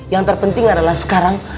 yang terpenting adalah sekarang